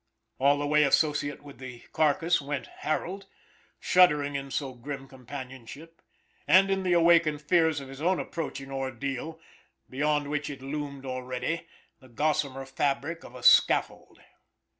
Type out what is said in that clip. All the way associate with the carcass, went Harold, shuddering in so grim companionship, and in the awakened fears of his own approaching. ordeal, beyond which it loomed already, the gossamer fabric of a scaffold.